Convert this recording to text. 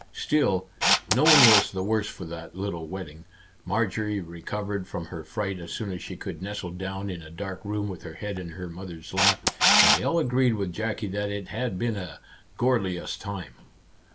Still, no one was the worse for that little wetting, Marjorie recovered from her fright as soon as she could nestle down in a dark room with her head in her mother's lap, and they all agreed with Jackie that it had been "a gorlious time."